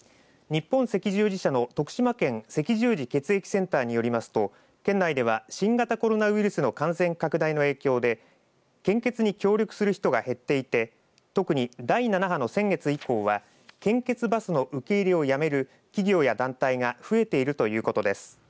日本赤十字社の徳島県赤十字血液センターによりますと県内では新型コロナウイルスの感染拡大の影響で献血に協力する人が減っていて特に、第７波の先月以降は献血バスの受け入れをやめる企業や団体が増えているということです。